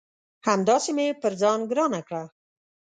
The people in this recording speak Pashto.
همداسي مې پر ځان ګرانه کړه